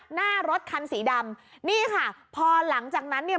หน้ารถคันสีดำนี่ค่ะพอหลังจากนั้นเนี่ย